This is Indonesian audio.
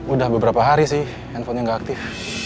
udah beberapa hari sih handphonenya nggak aktif